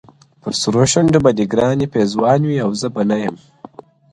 پر سرو شونډو به دي ګراني- پېزوان وي- او زه به نه یم-